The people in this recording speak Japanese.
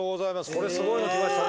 これすごいの来ましたね。